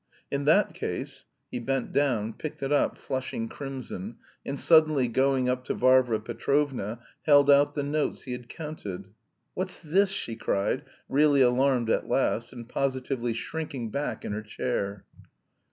"In that case..." He bent down, picked it up, flushing crimson, and suddenly going up to Varvara Petrovna held out the notes he had counted. "What's this?" she cried, really alarmed at last, and positively shrinking back in her chair.